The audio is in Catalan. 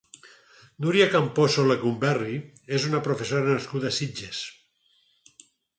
Núria Camposo Lecumberri és una professora nascuda a Sitges.